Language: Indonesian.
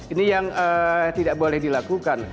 ini yang tidak boleh dilakukan